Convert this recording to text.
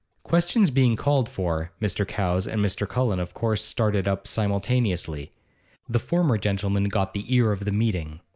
Questions being called for, Mr. Cowes and Mr. Cullen of course started up simultaneously. The former gentleman got the ear of the meeting.